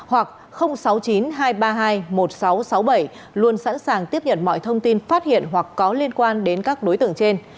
hoặc sáu mươi chín hai trăm ba mươi hai một nghìn sáu trăm sáu mươi bảy luôn sẵn sàng tiếp nhận mọi thông tin phát hiện hoặc có liên quan đến các đối tượng trên